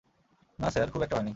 না স্যার, খুব একটা হয়নি।